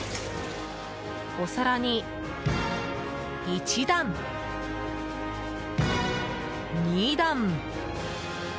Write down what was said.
お皿に１段、２段。